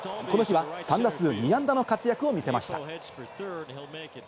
この日は３打数２安打の活躍を見せました。